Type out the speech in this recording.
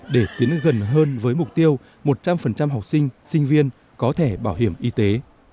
để tiến gần hơn với mục tiêu một trăm linh học sinh sinh viên có thẻ bảo hiểm y tế